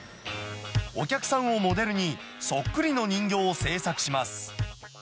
お客さんをモデルに、そっくりの人形を制作します。